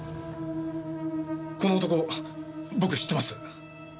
この男僕知ってます！